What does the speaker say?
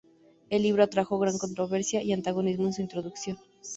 El libro atrajo gran controversia y antagonismo en su introducción.